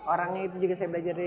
orangnya itu juga saya belajar dari